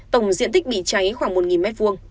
tổng diện tích bị cháy khoảng một m hai